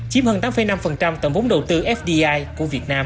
chiếm hơn tám năm tổng vốn đầu tư fdi của việt nam